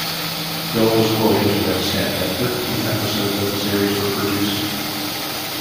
Hill was quoted to have said that thirteen episodes of the series were produced.